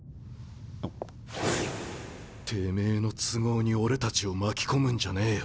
てめぇの都合に俺たちを巻き込むんじゃねえよ。